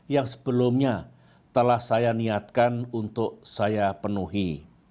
yang sebelumnya telah saya niatkan untuk saya penuhi